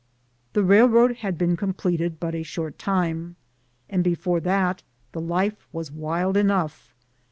The railroad had been completed but a short time, and before that the life was wild enough.